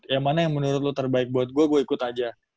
yang mana yang menurut lo terbaik buat gue gue ikut aja